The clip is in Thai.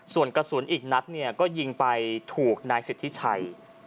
ส่วนกระสุนอีกนัดเนี่ยก็ยิงไปถูกนายสิทธิชัย